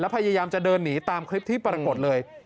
พยายามจะเดินหนีตามคลิปที่ปรากฏเลย